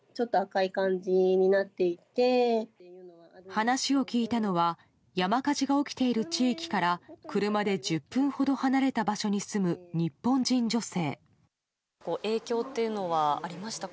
話を聞いたのは山火事が起きている地域から車で１０分ほど離れた場所に住む日本人女性。